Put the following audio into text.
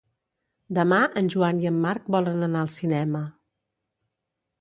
Demà en Joan i en Marc volen anar al cinema.